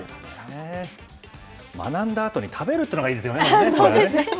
学んだあとに食べるっていうのがいいですよね。